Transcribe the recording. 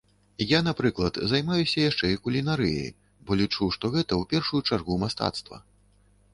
Я, напрыклад, займаюся яшчэ і кулінарыяй, бо лічу, што гэта, у першую чаргу, мастацтва.